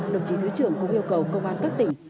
đồng chí thứ trưởng cũng yêu cầu công an các tỉnh